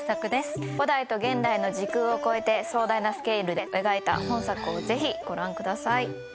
古代と現代の時空を超えて壮大なスケールで描いた本作をぜひご覧ください。